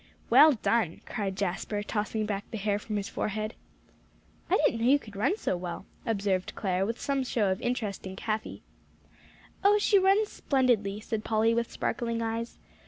"Well done," cried Jasper, tossing back the hair from his forehead. "I didn't know you could run so well," observed Clare, with some show of interest in Cathie. "Oh, she runs splendidly," said Polly, with sparkling eyes.